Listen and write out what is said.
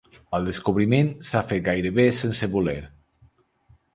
El descobriment s’ha fet gairebé sense voler.